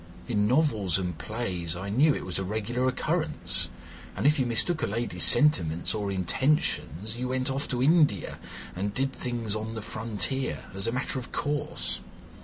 In novels and plays I knew it was a regular occurrence, and if you mistook a lady's sentiments or intentions you went off to India and did things on the frontier as a matter of course.